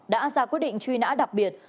đã ra quyết định truy nã đặc biệt